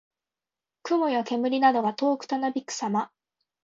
雲や煙などが遠くたなびくさま。